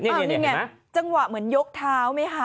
นี่ไงจังหวะเหมือนยกเท้าไหมคะ